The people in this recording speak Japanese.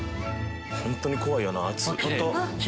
本当に怖いよな圧。